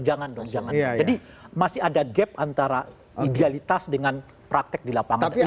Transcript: jangan dong jangan jadi masih ada gap antara idealitas dengan praktek di lapangan